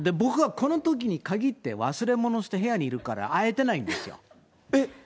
このとき僕は忘れ物して、部屋にいたから会えてないんですよ。